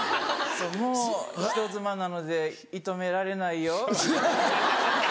もう人妻なので射止められないよ。